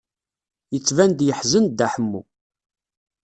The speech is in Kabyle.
Yettban-d yeḥzen Dda Ḥemmu.